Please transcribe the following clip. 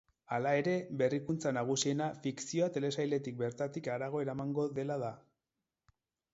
Hala ere, berrikuntza nagusiena fikzioa telesailetik bertatik harago eramango dela da.